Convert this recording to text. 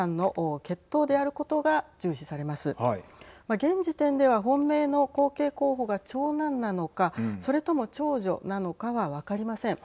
現時点では本命の後継候補が長男なのかそれとも長女なのかは分かりません。